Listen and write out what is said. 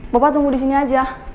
bapak tunggu di sini aja